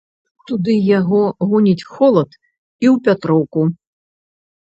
Туды яго гоніць холад і ў пятроўку.